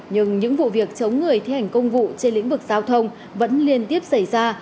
nhưng những vụ việc chống người thi hành công vụ trên lĩnh vực giao thông vẫn liên tiếp xảy ra